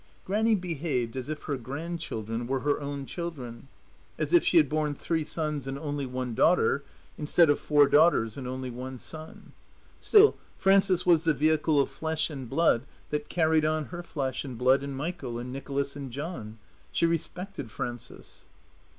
Grannie behaved as if her grandchildren were her own children, as if she had borne three Sons and only one daughter, instead of four daughters and only one son. Still, Frances was the vehicle of flesh and blood that carried on her flesh and blood in Michael and Nicholas and John. She respected Frances.